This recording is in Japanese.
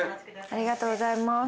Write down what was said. ありがとうございます。